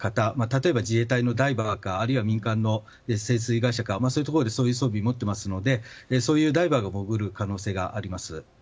例えば自衛隊のダイバーかあるいは民間の潜水会社かそういうところでそういう装備を持っていますのでそういうダイバーが潜る可能性があります。